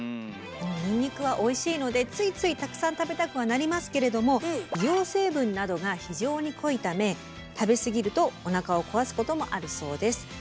ニンニクはおいしいのでついついたくさん食べたくはなりますけれども硫黄成分などが非常に濃いため食べ過ぎるとおなかを壊すこともあるそうです。